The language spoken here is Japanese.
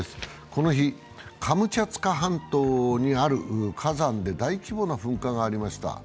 この日、カムチャツカ半島にある火山で大規模な噴火がありました。